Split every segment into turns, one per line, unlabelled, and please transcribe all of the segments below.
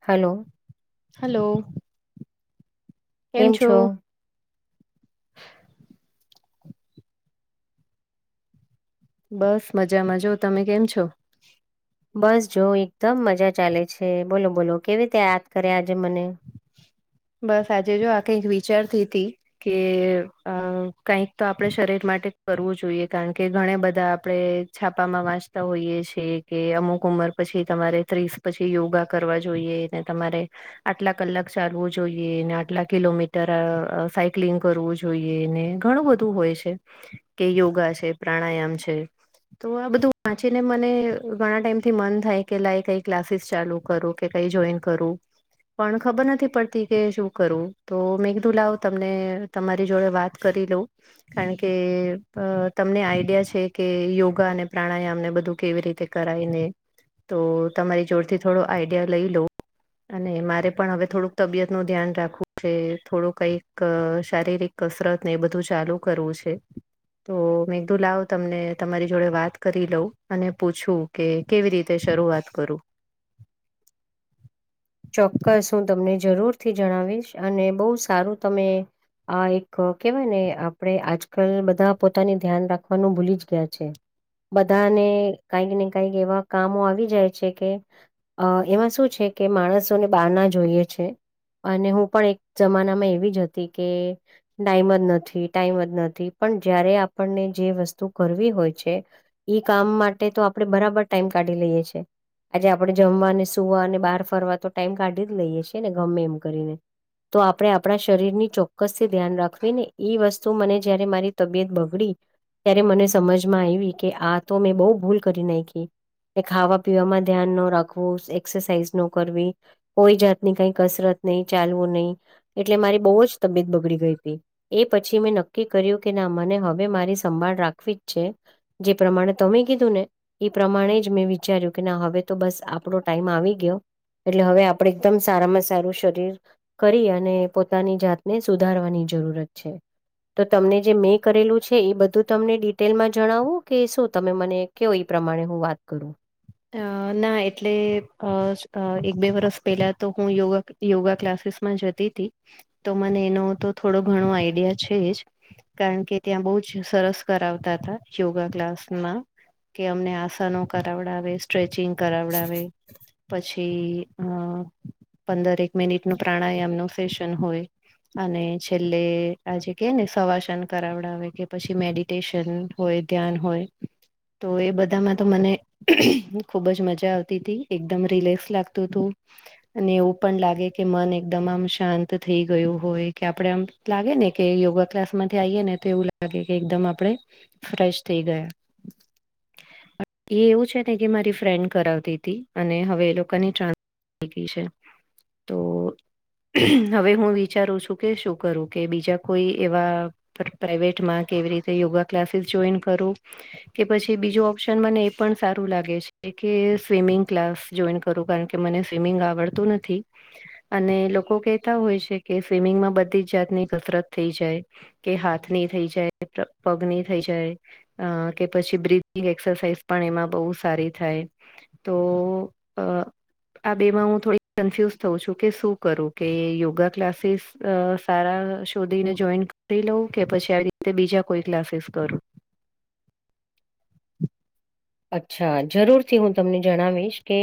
Hello.
Hello.
કેમ છો?
બસ મજામાંજ તમે કેમ છો?
બસ જો એકદમ મજા ચાલે છે બોલો બોલો કેવી રીતે યાદ કરે આજે મને?
બસ આજે જો આ કઈક વિચાર થ તી. કે અ કઈક તો આપણે શરીર માટે કરવું જોઈએ કારણ કે ઘણા બધા આપણે છાપામાં વાંચતા હોઈએ છે કે અમુક ઉંમર પછી તમારે ત્રીસ પછી યોગા કરવા જોઈએ. તમારે, આટલા કલાક ચાલવું જોઈ આટલા કિલોમીટર સાયક્લિંગ કરવું જોઈએ ને ઘણું બધું હોય છે. કે યોગા છે પ્રાણાયામ છે. તો આ બધું વાંચીને મને ઘણા ટાઈમ થી મન થાય કે લાય કઈ ક્લાસીસ ચાલુ કરુ. કે કઈ જોઈન કરું, પણ ખબર નથી પડતી. કે શું કરવું તો મેઘદુ લાવ તમને તમારી જોડે વાત કરી લઉ. કારણ કે તમને આઈડિયા છે કે યોગા અને પ્રાણાયામ ને બધું કેવી રીતે કરાયને, તો તમારી જોડથી થોડો આઈડિયા લઈ લો. અને મારે પણ હવે થોડુંક તબિયત નું ધ્યાન રાખવું છે થોડું કઈક શારીરિક કસરત ને એ બધું ચાલુ કરવું છે. તો મેઘદુ લાવ તમને તમારી જોડે વાત કરી લઉં અને પૂછું. કે કેવી રીતે શરૂઆત કરું.
ચોક્કસ હું તમને જરૂરથી જણાવીશ અને બહુ સારું તમે આ એક કેવાય ને આપણેે આજકાલ બધા પોતાને ધ્યાન રાખવાનું ભૂલી જ ગયા છે. બધાને કઈક ને કઈક એવા કામો આવી જાય છે કે અ એમાં શું છે કે માણસોને બાર ના જોઈએ છે. અને હું પણ એક જમાનામાં એવી જ હતી કે ટાઈમ જ નથી ટાઈમ જ નથી પણ જયારે આપણને જે વસ્તુ કરવી હોય છે. ઈ કામ માટે તો આપડે બરાબર ટાઈમ કાઢી લઈએ છે. આજે આપણે જમવા, ને સુવા, ને બહાર ફરવા તો ટાઈમ કાઢી જ લઈએ છીએ ને ગમે એમ કરીને. તો આપણે આપણા શરીર ની ચોક્કસથી ધ્યાન રાખવી. ને ઈ વસ્તુ મને જયારે મારી તબિયત બગડી ત્યારે મને સમજમાં આવી કે આ તો મેં બહુ ભૂલ કરી નાયખી. ને ખાવા પીવામાં ધ્યાન ન રાખવું, એક્સરસાાઈઝ નો કરવી. કોઈ જાતની કઈ કસરત નહીં, ચાલવું નહીં, એટલે મારી બહુ જ તબિયત બગડી ગઈ હતી. એ પછી મેં નક્કી કર્યું કે ના મને હવે મારી સંભાળ રાખવી જ છે. જે પ્રમાણે તમે કીધું ને ઈ પ્રમાણે જ મેં વિચાર્યું કે ના હવે તો બસ આપણો ટાઈમ આવી ગયો. એટલે હવે આપડે એકદમ સારામાં સારું શરીર કરી અને પોતાની જાતને સુધારવાની જરૂરત છે. તો તમને જે મેં કરેલું છે ઈ બધું જ તમને ડિટેલમાં જણાવું, કે શું તમે મને કયો ઈ પ્રમાણે હું વાત કરું.
અહ ના એટલે અહ-અહ એક બે વરસ પહેલા તો હું યોગા ક યોગા ક્લાસીસમાં જતી તી. તો મને એનો તો થોડો ઘણો આઈડિયા છે જ. કારણ કે ત્યાં બહુ જ સરસ કરાવતા હતા યોગા ક્લાસમાં. કે અમને આસનો કરાવડાવે, સ્ટ્રેચિંગ કરાવડાવે પછી અહ પંદરેક મિનિટ નું પ્રાણાયામ નું સેશન હોય. અને છેલ્લે આજે કે ને સવાસન કરાવડાવે કે પછી મેડિટેશન હોય, ધ્યાન હોય, તો એ બધામાં તો મને હું ખુબ જ મજા આવતી તી, એકદમ રિલેક્સ લાગતું તું. અને એવું પણ લાગે કે મન એકદમ આમ શાંત થઈ ગયું હોય કે આપડે આમ લાગે ને કે યોગા ક્લાસ માંથી આઈએ ને તો એવું લાગે કે એકદમ આપણેે ફ્રેશ થઈ ગયા. એ એવું છે ને કે મારી ફ્રેન્ડ કરાવતી તી. અને હવે એ લોકોની ટ્રાન થઈ ગઈ છે. તો હવે હું વિચારું છું કે શું કરું કે બીજા કોઈ એવા પ્ર પ્રાઈવેટમાં કેવી રીતે યોગા ક્લાસીસ જોઈન કરું કે પછી બીજું ઓપ્શન મને એ પણ સાર રું લાગે છે કે સ્વિમિંગ ક્લાસ જોઈન કરું, કારણ કે મને સ્વિમિંગ આવડતું નથી. અને લોકો કહેતા હોય છે કે સ્વિમિંગમાં બધી જ જાતની કસરત થઈ જાય. કે હાથની થઈ જાય, પ્ર પગની થઈ જાય અહ કે પછી બ્રિથિંગ એક્સરસાાઈઝ પણ એમાં બહુ સારી થાય. તો અહ આ બે માં હું થોડી કન્ફ્યુઝ થઉં છું કે શું કરું, કે યોગા ક્લાસીસ અહ સારા શોધીને જોઈન કરી લઉં, કે પછી આવી રીતે બીજા કોઈ ક્લાસીસ કરું.
અચ્છા. જરૂર થી હું તમને જણાવીશ કે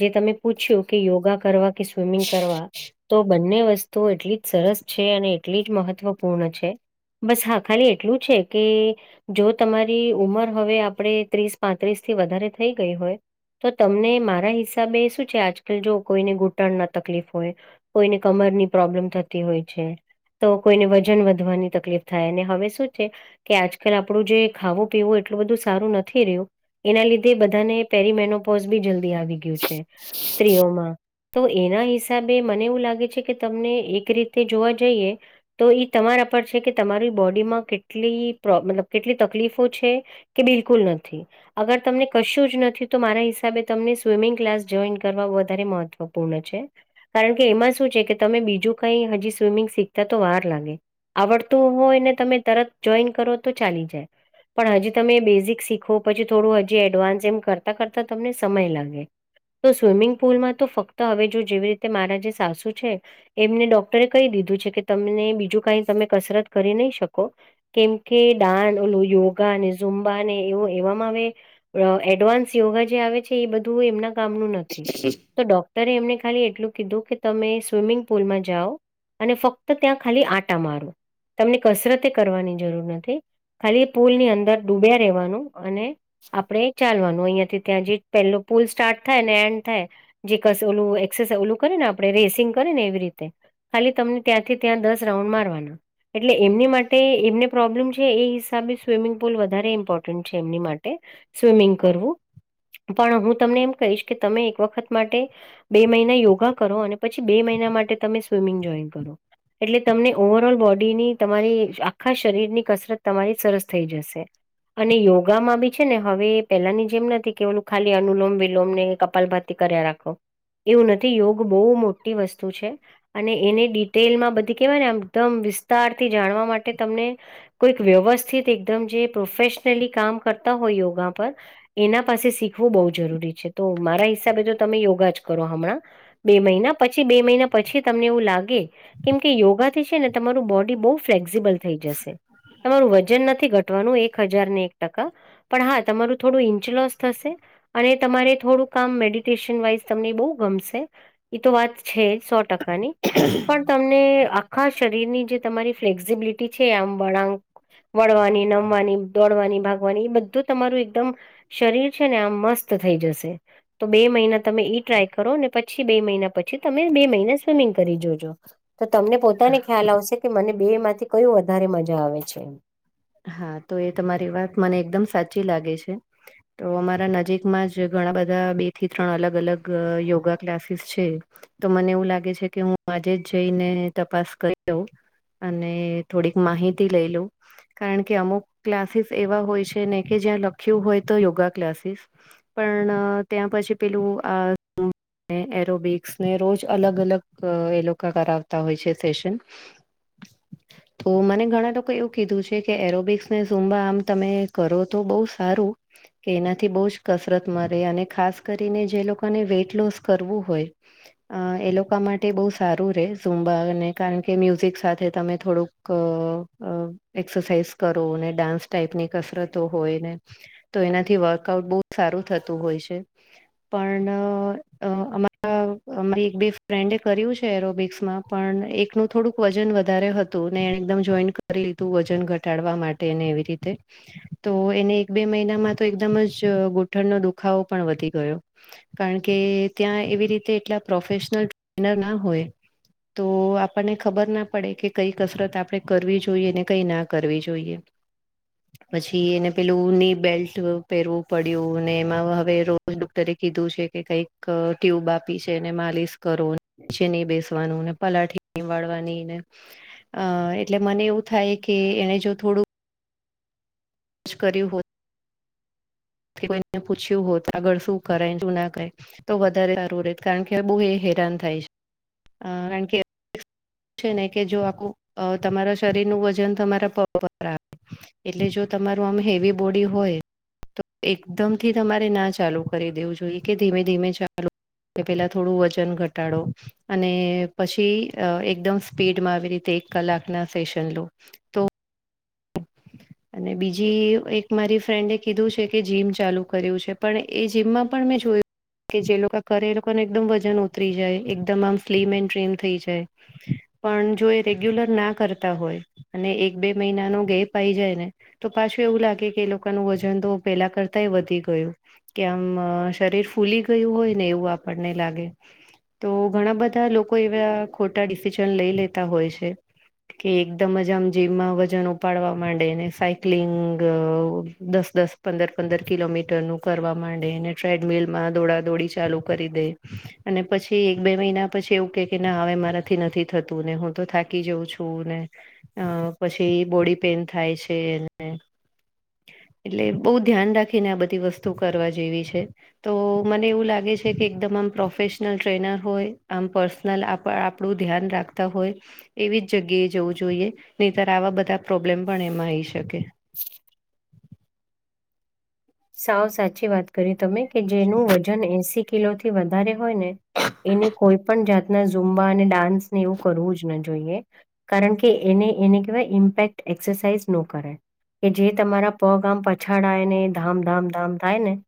જે તમે પૂછ્યું કે યોગા કરવા કે સ્વિમિંગ કરવા. તો બંને વસ્ તું એટલી જ સરસ છે અને એટલી જ મહત્વપૂર્ણ છે. બસ હા ખાલી એટલું છે કે જો તમારી ઉમર હવે આપણે ત્રીસ પાંત્રીસ થી વધારે થઈ ગઈ હોય તો તમને મારા હિસાબે શું છે આજકાલ જો કોઈને ઘૂંટણ ના તકલીફ હોય કોઈને કમર ની પ્રોબ્લેમ થતી હોય છે. તો કોઈને વજન વધવાની તકલીફ થાય, અને હવે શું છે કે આજકાલ આપડું જે ખાવું પીવું એટલું બધું સારું નથી રહ્યું એના લીધે બધાને પેરિમેનોપોઝ બી જલ્દી આવી ગયું છે સ્ત્રીઓમાં. તો એના હિસાબે મને એવું લાગે છે કે તમને એક રીતે જોવા જઈએ તો ઈ તમારા પર છે કે તમારી બોડીમાં કેટલી પ્રો મતલબ કેટલી તકલીફો છે કે બિલકુલ નથી. અગર તમને કશું જ નથી તો મારા હિસાબે તમને સ્વિમિંગ ક્લાસ જોઈન કરવા વધારે મહત્વપૂર્ણ છે. કારણ કે એમાં શું છે કે તમે બીજું કઈ હજી સ્વિમિંગ શીખતા તો વાર લાગે. આવડતું હોય ને તમે તરત જોઈન કરો તો ચાલી જાય. પણ હજી તમે બેઝિક શીખો પછી. થોડું હજી એડવાન્સ એમ કરતાં કરતાં તમને સમય લાગે. તો સ્વિમિંગ પુલમાં તો ફક્ત હવે જો જેવી રીતે મારા જે સાસુ છે. એમને ડોક્ટરે કહી દીધું છે કે તમને બીજું કઈ તમે કસરત કરી નહી શકો. કેમ કે દાંડ ઓલું યોગા ને ઝુંમબા ને એવો એવા. એડવાન્સ યોગા જે આવે છે એ બધું એમના કામનું નથી. તો ડોક્ટરે એમને ખાલી એટલું કીધું કે તમે સ્વિમિંગ પુલમાં જાઓ. અને ફક્ત ત્યાં ખાલી આટા મારો. તમને કસરતે કરવાની જરૂર નથી ખાલી પુલની અંદર ડૂબ્યા રહેવાનું. અને આપડે ચાલવાનું અહિયાં થી ત્યાં જે પહેલો પુલ સ્ટાર્ટ થાય ને એન્ડ થાય. જે કશું ઓલું એક્સરસા ઓલું કરે ને આપણે રેસિંગ કરે ને એવી રીતે. ખાલી તમને ત્યાંથી ત્યાં દસ રાઉન્ડ મારવાના. એટલે એમની માટે એમને પ્રોબ્લેમ છે એ હિસાબે સ્વિમિંગ પુલ વધારે ઇમ્પોર્ટન્ટ. છે એમની માટે સ્વિમિંગ કરવું. પણ હું તમને એમ કહીશ કે તમે એક વખત માટે. બે મહિના યોગા કરો અને પછી બે મહિના માટે તમે સ્વિમિંગ જોઈન કરો. એટલે તમને ઓવરઓલ બોડીની તમારી આખા શરીરની કસરત તમારી સરસ થઈ જશે. અને યોગ. યોગામાં બી છે ને હવે પેલાની જેમ નથી કે ઓલું ખાલી અનુલોમ વિલોમ ને કપાલ ભાતી કર્યા રાખો. એવું નથી યોગ બહુ મોટી વસ્તુ છે. અને એની ડિટેલમાં બધી કેહેવાય ને એકદમ વિસ્તાર થી જાણવા માટે તમને. કોઈક વ્યવસ્થિત એકદમ જે પ્રોફેશનલી કામ. કરતા હોય યોગા પર એના પાસે શીખવું બહુ જરૂરી છે. તો મારા હિસાબે જો તમે યોગા જ કરો હમણાં. બે મહિના પછી બે મહિના પછી તમને એવું લાગે. કેમ કે યોગાથી છે ને તમારું બોડી બહુ ફ્લેક્સિબલ થઈ જશે. તમારું વજન નથી ઘટવાનું એક હજાર ને. એક ટકા પણ હા તમારું થોડું ઇંચ લોસ થશે. અને તમારે થોડું કામ મેડિટેશન વાઈઝ તમને બહુ ગમશે એ તો વાત છે સો. ટકાની પણ. તમને આખા શરીર ની જે તમારી ફ્લેક્સિબિલિટી છે આમ વળાંક. વળવાની નમવાની દોડવાની ભાગ. વાની એ બધું તમારું એકદમ શરીર છે ને આ મસ્ત થઈ જશે. તો બે મહિના તમે ઈ ટ્રાય કરો અને પછી બે મહિના પછી તમે બે મહિના સ્વિમિંગ કરી જોજો. તો તમને પોતાને ખ્યાલ આવશે કે મને બે માંથી કયું વધારે મજા આવે છે.
હા તો એ તમારી વાત મને એકદમ સાચી લાગે છે. તો અમારા નજીકમાં જ ઘણા બધા બે થી ત્રણ અલગ અલગ યોગા ક્લાસીસ છે. તો મને એવું લાગે છે કે હું આજે જ જઈને તપાસ કરી દઉં. અને થોડીક માહિતી લઈ લવ. કારણ કે અમુક ક્લાસીસ એવા હોય છે ને કે જ્યાં લખ્યું હોય તો યોગા ક્લાસીસ. પણ ત્યાં પછી પેલું આ. એરોબિક્સ ને રોજ અલગ અલગ એ લોકો કરાવતા હોય છે સેશન. તો મને ઘણા લોકો એવું કીધું છે. કે એરોબિક્સને ઝૂમબા આમ તમે કરો તો બઉ સારું. કે એનાથી બહુ જ કસરત મળે અને ખાસ કરીને જે લોકોને વેઇટ લોસ કરવું હોય. અ એ લોકો માટે બહુ સારું રે ઝૂમબા ને કારણ કે મ્યુઝિક સાથે તમે થોડુંક. અ હું એક્સરસાાઈઝ કરુ ને ડાન્સ ટાઈપની કસરતો હોય ને. તો એનાથી વર્કઆઉટ બહુ સારું થતું હોય છે. પણ અમારા અમારી એક બે ફ્રેન્ડે કર્યું છે એરોબિક્સ માં, પણ એકનું થોડુંક વજન વધારે હતું ને એને એકદમ જોઈન્ટ કરી તું વજન ઘટાડવા માટેને એવી રીતે, તો એને એક બે મહિનામાં તો એકદમ જ ગોઠણનો દુખાવો પણ વધી ગયો. કારણ કે ત્યાં એવી રીતે એટલા પ્રોફેશનલ ટ્રેનર ના હોય. તો આપણને ખબર ના પડે કે કઈ કસરત આપડણે કરવી જોઈએને, કઈ ના કરવી જોઈએ. પછી એને પેલુંની બેલ્ટ પહેરવું પડ્યું ને એમાં હવે રો ડોક્ટરે કીધું છે કે કઈક ટ્યુબ આપી છે ને માલિશ, કરો, નીચે નહી બેસવાનું, ને પલાઠી, વાળવાનીને અ એટલે મને એવું થાય કે એને જો થોડુંક, કર્યું હતું, કોઈને પૂછ્યું હોત તો આગળ શું કરે શું ના કરે, તો વધારે સારૂં રેત કારણ કે બહુ એ હેરાન થાય છે. કારણ કે, છે ને કે જો આખું તમારા શરીર નું વજન તમારા પગ પર આવે. એટલે જો તમારું આમ હેવી બોડી હોય, તો એકદમથી તમારે ના ચાલુ કરી દેવું જોઈએ કે ધીમે ધીમે ચાલુ, કે પહેલા થોડું વજન ઘટાડો, અને પછી એકદમ સ્પીડમાં આવી રીતે એક કલાકના સેશન લો, તો અને બીજી એક મારી ફ્રેન્ડે કીધું છે, કે જીમ ચાલુ કર્યું છે પણ એ જીમમાં પણ મેં જોયું, કે જે કરે એ લોકોને એકદમ વજન ઉતરી જાય, એકદમ આમ સ્લીમ એન્ડ ટ્રીમ થઈ જાય. પણ જો એ રેગ્યુલર ના કરતા હોય અને એક બે મહિના નો ગેપ આઈ જાય ને, તો પાછું એવું લાગે કે એ લોકોનું વજન તો પહેલા કરતાય વધી ગયું. કે આમ શરીર ફૂલી ગયું હોય ને એવું આપણને લાગે. તો ઘણા બધા લોકો એવા ખોટા ડિસિઝન લઈ લેતા હોય છે. કે એકદમ જ આમ જીમમાં વજન ઉપાડવા માંડે ને, સાયક્લિંગ દસ દસ પંદર પંદર કિલોમીટર નું કરવા માંડેને, ટ્રેડમિલ માં દોડા દોડી ચાલુ કરી દે. અને પછી એક બે મહિના પછી એવું કે કે ના હવે મારાથી નથી થતું ને હું તો થાકી જાઉં છું ને. અ પછી બોડી પેન થાય છેને, એટલે બહુ ધ્યાન રાખીને આ બધી વસ્તુ કરવા જેવી છે. તો મને એવું લાગે છે કે એકદમ આમ પ્રોફેશનલ ટ્રેનર હોય આમ પર્સન નલ આપ આપણું ધ્યાન રાખતા હોય. એવી જ જગ્યાએ જવું જોઈએ નહીતર આવા બધા પ્રોબ્લેમ પણ એમાં આવીઈ શકે.
હ, સાવ સાચી વાત કરી તમે કે જેનું વજન એસી, કિલો થી વધારે હોય ને, એની કોઈ પણ જાત ન ઝુંબા અને ડાન્સ ને એવું કરવું જ ન જોઈએ. કારણ કે એને એને કહેવાય ઇમ્પેક્ટ એક્સરસાઇઝ નુ કરણ, કે જે તમારા પગ આમ પછાડાય ને એ ધામધામ ધામ થાય ને,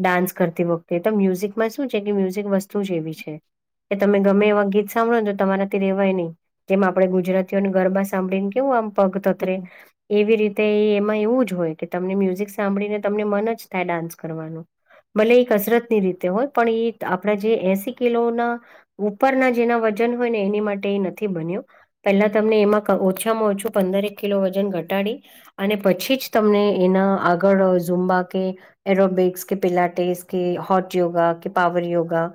ડાન્સ કરતી વખતે તો મ્યુઝિકમાં શું છે કે મ્યુઝિક વસ્તુ જે એવી છે. કે તમે ગમે એવા ગીત સાંભળો ને તો તમારા થી રહેવાય નહીં. જેમ આપણે ગુજરાતીઓને ગરબા સાંભળીને કેવું આમ, પગ તતરે એવી રીતે એમાં એવું જ હોય કે તમને મ્યુઝિક સાંભળીને, તમને મન જ થાય ડાન્સ કરવાનું. ભલે એ કસરત ની રીતે હોય પણ એ આપડા જે એસી કિલોના, ઉપરના જેના વજન હોય ને એની માટે એ નથી બન્યું. પહેલા તમને એમાં ઓછામાં ઓછું પંદર એક કિલો વજન ઘટાડી, અને પછી જ તમને એના આગળ, ઝુંબા, કે એરોબિક્સ, કે પિલાટેસ, કે હોટ યોગા, કે પાાવર યોગા,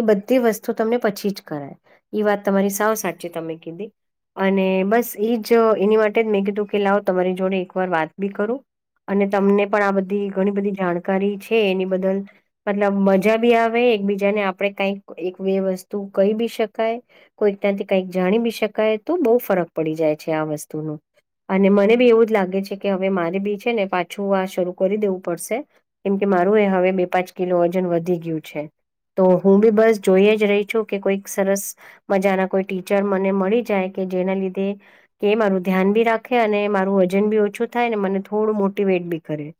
એ બધી વસ્તુ તમને પછી જ કરાય એ વાત તમારી સાવ સાચી તમે કીધી. અને બસ એજ એની માટે જ મેં કીધું કે લાવો તમારી જોડે એક વાર વાત બી કરું. અને તમને પણ આ બધી ઘણી બધી જાણકારી છે એની બદલ. મતલબ મજા બી આવે એકબીજાને આપડે કાઈક એક બે વસ્તુ કહી બી શકાય. કોઈક નાથી કઈક જાણી બી શકાય તો બહુ ફરક પડી જાય છે આ વસ્તુનો. અને મને બી એવું જ લાગે છે કે હવે મારી બી છે ને પાછું. શ કરી દેવું પડશે કેમ કે મારું એ હવે બે પાંચ કિલો વજન વધી ગયું છે. તો હું બી બસ જોઈ જ રહી છું કે કોઈક સરસ. મજાના કોઈ ટીચર મને મળી જાય કે જેના લીધે. કે મારું ધ્યાન બી રાખે અને મારું વજન બી ઓછું થાય ને મને થોડું મોટીવેટ બી કરે.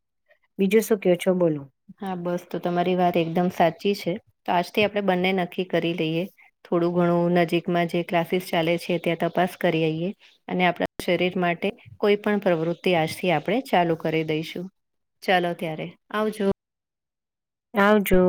બીજું શું કયો છો બોલું.
હા બસ તો તમારી વાત એકદમ સાચી છે તો આજથી આપડે બંને નક્કી કરી લઈએ. થોડું ઘણું નજીકમાં જે ક્લાસીસ ચાલે છે ત્યાં તપાસ કરી આઈએ. અને આપણા શરીર માટે કોઈ પણ પ્રવૃત્તિ આજથી આપણે ચાલુ કરી દઈશું. ચાલો ત્યારે આવજો.
આવજો.